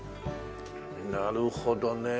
なるほどね。